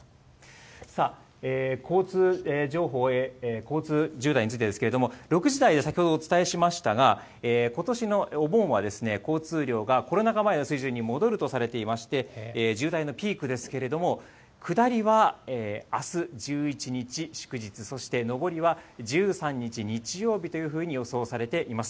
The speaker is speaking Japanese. さあ、交通渋滞についてですけれども、６時台で先ほどお伝えしましたが、ことしのお盆は交通量がコロナ禍前の水準に戻るとされていまして、渋滞のピークですけれども、下りはあす１１日祝日、そして上りは１３日日曜日というふうに予想されています。